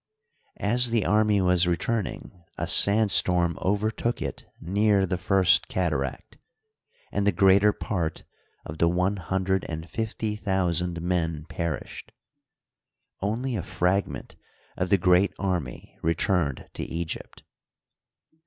As the army was returning, a sand storm overtook it near the First Cataract, and the greater part of the one hundred and fifty thousand men perished. Only a fragment of the great army re turned to Egypt.